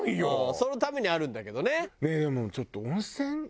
そのためにあるんだけどね。